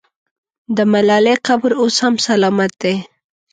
د ملالۍ قبر اوس هم سلامت دی.